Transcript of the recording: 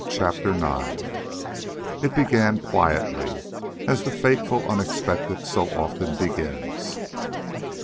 CHAPTER IX It began quietly, as the fateful unexpected so often begins.